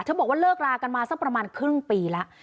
บอกว่าเลิกลากันมาสักประมาณครึ่งปีแล้ว